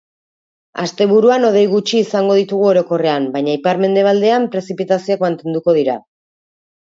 Asteburuan, hodei gutxi izango ditugu orokorrean, baina ipar-mendebaldean prezipitazioak mantenduko dira.